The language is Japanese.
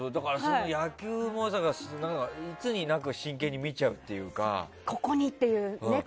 野球も、いつになく真剣に見ちゃうっていうか。